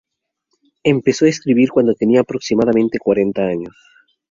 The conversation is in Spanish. Empezó a escribir cuando tenía aproximadamente cuarenta años.